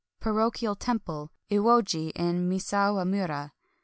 — Parochial temple : Iwoji in Misawa mura.